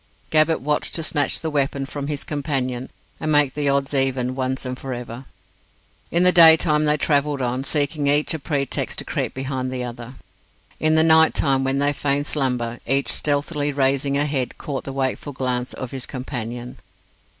Gabbett watched to snatch the weapon from his companion, and make the odds even once and for ever. In the day time they travelled on, seeking each a pretext to creep behind the other. In the night time when they feigned slumber, each stealthily raising a head caught the wakeful glance of his companion.